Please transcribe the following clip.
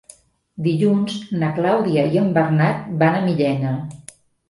Dilluns na Clàudia i en Bernat van a Millena.